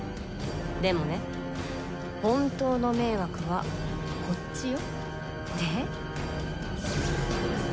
でもね、本当の迷惑はこっちよ。